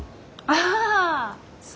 ああそう。